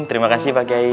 terima kasih pak kiai